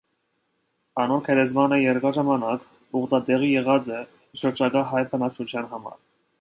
Անոր գերեզմանը երկար ժամանակ ուխտատեղի եղած է շրջակայ հայ բնակչութեան համար։